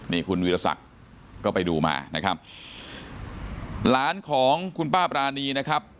นี่คุณวิรสักก็ไปดูมานะครับหลานของคุณป้าปรานีนะครับ